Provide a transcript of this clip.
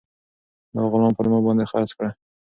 دا غلام پر ما باندې خرڅ کړه.